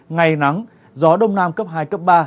ngày nắng gió đông nam cấp hai cấp ba